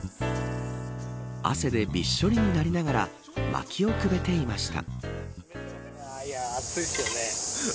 汗でびっしょりになりながらまきをくべていました。